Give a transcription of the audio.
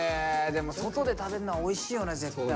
でも外で食べるのはおいしいよね絶対。